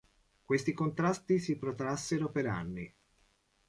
Questi contrasti si protrassero per anni.